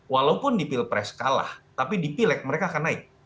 walaupun di pilpres kalah tapi di pilek mereka akan naik